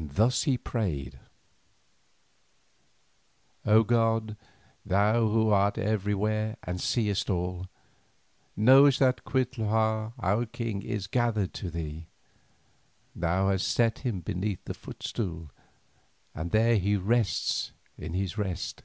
Thus he prayed: "O god, thou who art everywhere and seest all, knowest that Cuitlahua our king is gathered to thee. Thou hast set him beneath thy footstool and there he rests in his rest.